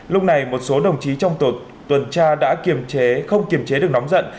lúc này một số đồng chí trong tổ tuần tra đã kiềm chế không kiềm chế được nóng giận